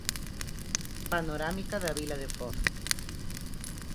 Panorámica da vila de Foz.